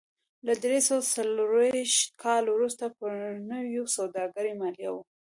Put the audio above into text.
له درې سوه څلرویشت کال وروسته پر نویو سوداګرو مالیه و